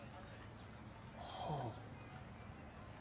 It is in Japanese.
はあ。